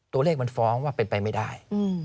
ตัวเลขมันฟ้องว่าเป็นไปไม่ได้